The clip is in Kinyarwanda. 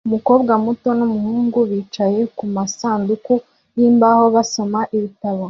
Umukobwa muto numuhungu bicaye kumasanduku yimbaho basoma ibitabo